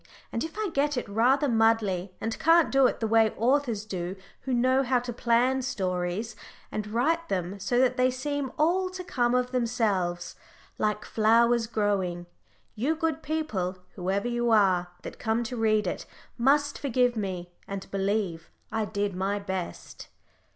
And if I get it rather muddley, and can't do it the way authors do who know how to plan stories, and write them so that they seem all to come of themselves, like flowers growing, you good people, whoever you are, that come to read it must forgive me and believe I did my best.